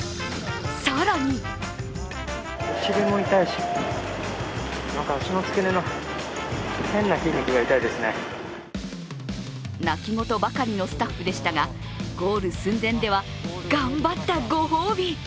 更に泣き言ばかりのスタッフでしたが、ゴール寸前では頑張ったご褒美